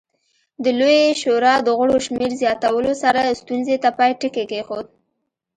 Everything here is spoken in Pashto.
د لویې شورا د غړو شمېر زیاتولو سره ستونزې ته پای ټکی کېښود